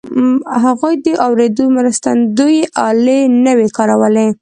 هغوی د اورېدو مرستندويي الې نه وې کارولې